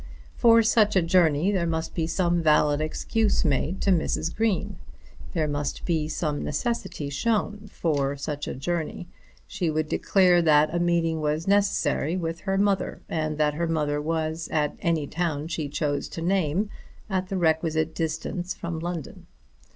For such a journey there must be some valid excuse made to Mrs. Green. There must be some necessity shown for such a journey. She would declare that a meeting was necessary with her mother, and that her mother was at any town she chose to name at the requisite distance from London.